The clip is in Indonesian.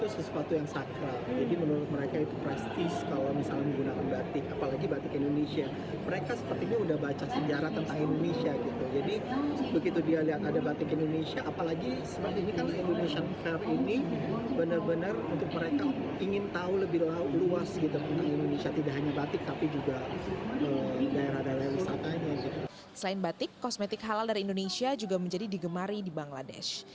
selain batik kosmetik halal dari indonesia juga menjadi digemari di bangladesh